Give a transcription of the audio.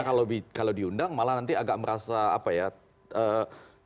karena kalau diundang malah nanti agak merasa apa ya teralienasi